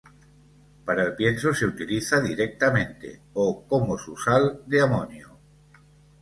Para el pienso se utiliza directamente, o como su sal de amonio.